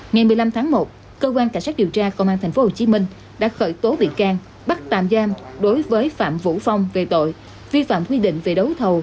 ngày một mươi năm tháng một cơ quan cảnh sát điều tra công an tp hcm đã khởi tố bị can bắt tạm giam đối với phạm vũ phong về tội vi phạm quy định về đấu thầu